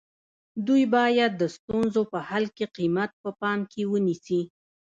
دوی باید د ستونزو په حل کې قیمت په پام کې ونیسي.